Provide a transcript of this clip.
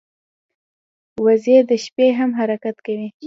وزې د شپې هم حرکت کوي